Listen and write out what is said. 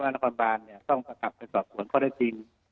ว่านครบาลต้องกระกับไปสอบสวนข้อได้จริง